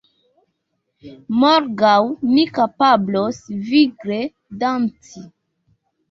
Morgaŭ ni kapablos vigle danci